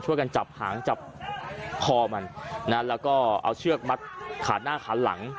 กันจับหางจับคอมันนะแล้วก็เอาเชือกมัดขาหน้าขาหลัง